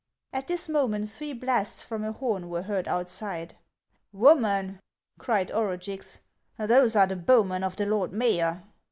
At this moment three blasts from a horn were heard outside. " Woman," cried Orugix, " those are the bowmen of the lord mayor."